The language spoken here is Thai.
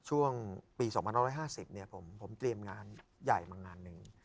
ช่วงปี๒๕๕๐ผมเตรียมงานใหญ่มางานหนึ่ง